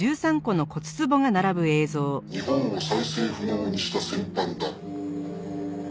「日本を再生不能にした戦犯だ」